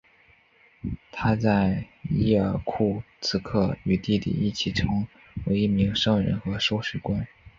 他在伊尔库茨克与弟弟一起成为一名商人和收税官。